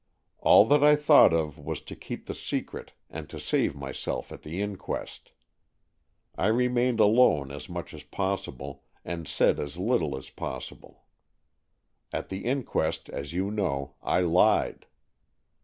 All that I thought of was to keep the secret and to save myself at the inquest. I remained alone as much as possible, and said as little as possible. At the inquest, as you know, I lied.